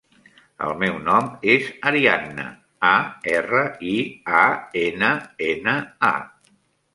El meu nom és Arianna: a, erra, i, a, ena, ena, a.